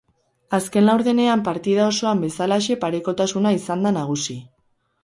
Azken laurdenean partida osoan bezalaxe parekotasuna izan da nagusi.